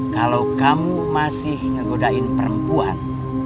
kalau kamu masih ngegodain perempuan